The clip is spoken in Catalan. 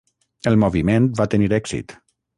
El moviment va tenir èxit.